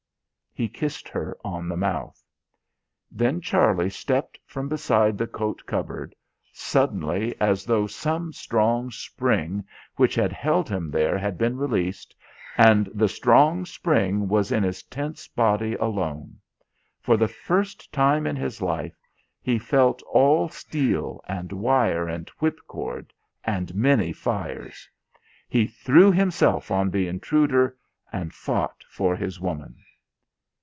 He kissed her on the mouth. Then Charlie stepped from beside the coat cupboard, suddenly as though some strong spring which held him there had been released, and the strong spring was in his tense body alone. For the first time in his life he felt all steel and wire and whipcord, and many fires. He threw himself on the intruder and fought for his woman.